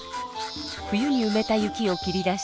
冬にうめた雪を切り出し。